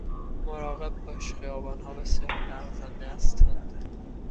مراقب باش، خیابان ها بسیار لغزنده هستند.